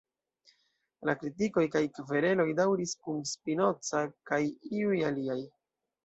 La kritikoj, kaj kvereloj, daŭris kun Spinoza kaj iuj aliaj.